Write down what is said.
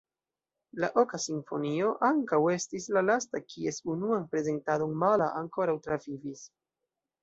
La oka simfonio ankaŭ estis la lasta, kies unuan prezentadon Mahler ankoraŭ travivis.